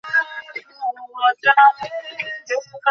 সেই নির্বাচনে জয়ী হয়ে টানা দ্বিতীয় মেয়াদে সরকার গঠন করে আওয়ামী লীগ।